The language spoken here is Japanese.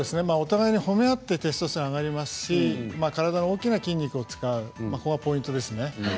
お互いに褒め合ってテストステロンが上がりますし体の大きな筋肉を使うここがポイントですね。